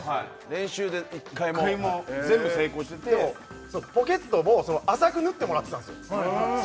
練習で一回も全部成功しててポケットも浅く縫ってもらってたんすよ